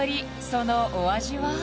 そのお味は？